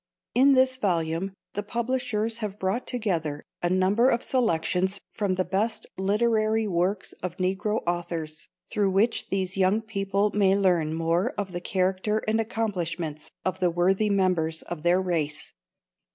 In this volume the publishers have brought together a number of selections from the best literary works of Negro authors, through which these young people may learn more of the character and accomplishments of the worthy members of their race.